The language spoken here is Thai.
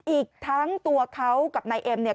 อีกทั้งตัวเขากับนายเอ็มเนี่ย